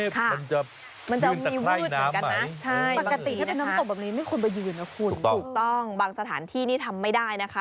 ถูกต้องบางสถานที่นี่ทำไม่ได้นะคะ